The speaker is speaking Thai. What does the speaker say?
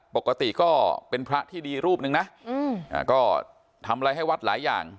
ปกติก็เป็นพระที่ดีรูปหนึ่งนะก็ทำอะไรให้วัดหลายอย่าง